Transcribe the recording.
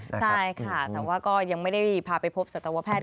ใช่ค่ะแต่ว่าก็ยังไม่ได้พาไปพบสัตวแพทย